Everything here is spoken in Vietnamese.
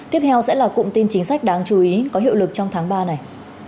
tiếp theo sẽ là cụm tin chính sách đáng chú ý có hiệu lực trong tháng ba này